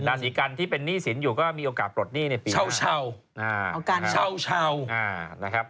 ราศีกันที่เป็นหนี้สินอยู่ก็มีโอกาสปลดหนี้ในปีเช่านะครับ